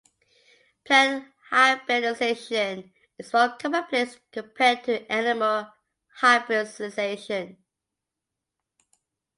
Plant Hybridization is more commonplace compared to animal hybridization.